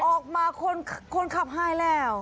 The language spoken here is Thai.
ออกมาคนขับหายแล้ว